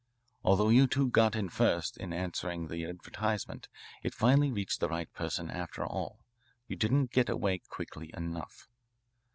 Although you two got in first in answering the advertisement, it finally reached the right person after all. You didn't get away quickly enough.